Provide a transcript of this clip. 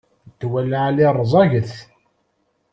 Ddwa n lɛali rẓaget.